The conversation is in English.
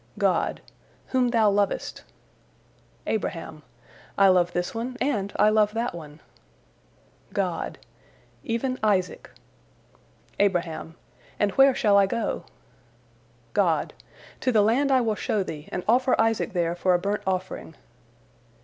God: "Whom thou lovest." Abraham: "I love this one and I love that one." God: "Even Isaac." Abraham: "And where shall I go?" God: "To the land I will show thee, and offer Isaac there for a burnt offering."